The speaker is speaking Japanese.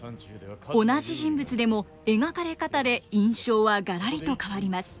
同じ人物でも描かれ方で印象はがらりと変わります。